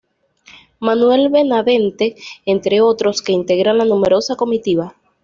Manuel Benavente, entre otros que integran la numerosa comitiva.